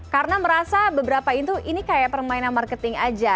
karena merasa beberapa itu ini kayak permainan marketing aja